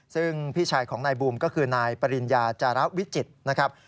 ซึ่งพี่ชายของนายบูมก็คือนายปริญญาจาระวิจิตรนะครับ